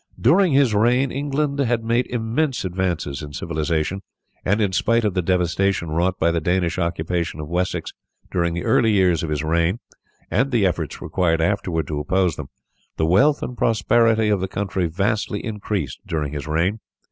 During his reign England had made immense advances in civilization, and in spite of the devastation wrought by the Danish occupation of Wessex during the early years of his reign, and the efforts required afterwards to oppose them, the wealth and prosperity of the country vastly increased during his reign.